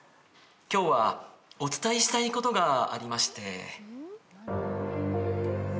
今日はお伝えしたいことがありまして。